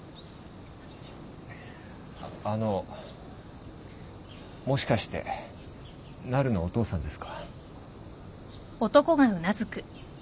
あのもしかしてなるのお父さんですか？